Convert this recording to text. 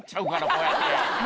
こうやって。